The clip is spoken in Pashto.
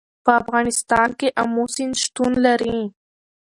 په افغانستان کې آمو سیند شتون لري.